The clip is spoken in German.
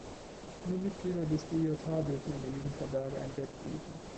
Nur Mitglieder des DJH dürfen in der Jugendherberge ein Bett buchen.